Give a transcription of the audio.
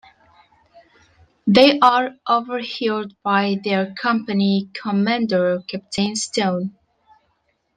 They are overheard by their company commander Captain Stone.